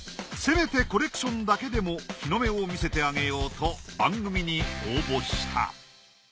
せめてコレクションだけでも日の目を見せてあげようと番組に応募した。